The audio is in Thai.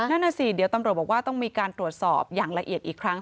นั่นน่ะสิเดี๋ยวตำรวจบอกว่าต้องมีการตรวจสอบอย่างละเอียดอีกครั้ง